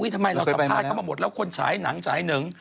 ทำไมเราสัมภาษณ์เข้ามาหมดแล้วคนฉายหนังฉายหนึ่ง